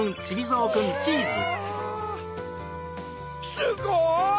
すごい！